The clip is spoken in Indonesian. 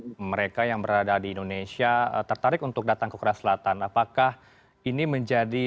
mereka yang berada di indonesia tertarik untuk datang ke korea selatan apakah ini menjadi